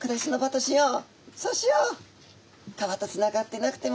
「そうしよう」。